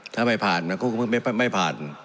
ถ้าไม่ผ่านมันก็ไม่ผ่าน